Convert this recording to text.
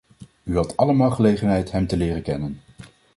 U had allemaal gelegenheid hem te leren kennen.